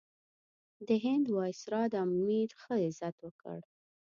د هند وایسرا د امیر ښه عزت وکړ.